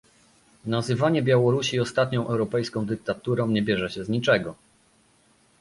Nazywanie Białorusi ostatnią europejską dyktaturą nie bierze się z niczego